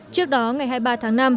trước đó ngày hai mươi ba tháng năm